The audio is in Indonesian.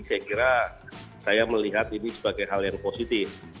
saya kira saya melihat ini sebagai hal yang positif